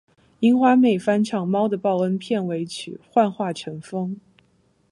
樱花妹翻唱《猫的报恩》片尾曲《幻化成风》